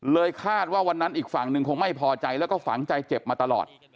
คาดว่าวันนั้นอีกฝั่งหนึ่งคงไม่พอใจแล้วก็ฝังใจเจ็บมาตลอด